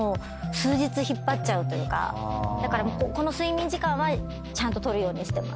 だからこの睡眠時間はちゃんと取るようにしてます。